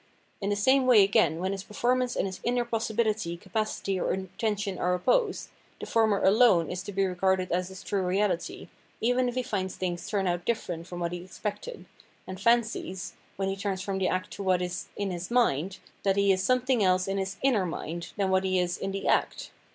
In the same way again when his performance and his inner possibfiity, capacity, or intention are opposed, the former alone is to be regarded as his true reahty, even if he finds things turn out different from what he expected, and " fancies," when ol2 Phenomenology of Mind he turns from the act to what is in his " mind," that he is something else in his " inner mind " than what he is in the act.